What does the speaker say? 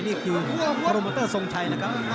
นี่คือโปรโมเตอร์ทรงชัยนะครับ